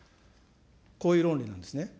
こういう論理なんですね。